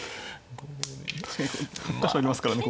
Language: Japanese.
確かにここ１か所ありますからね。